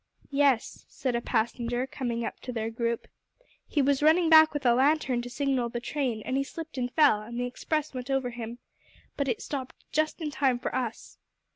"Yes," said a passenger, coming up to their group, "he was running back with a lantern to signal the train, and he slipped and fell, and the express went over him. But it stopped just in time for us."